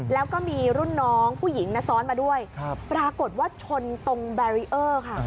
แล้วก็มีรุ่นน้องผู้หญิงนะซ้อนมาด้วยปรากฏว่าชนตรงแบรีเออร์ค่ะ